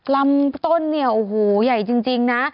ลำต้นเนี่ยโอ้โหใหญ่จริงนะ